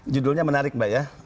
judulnya menarik mbak ya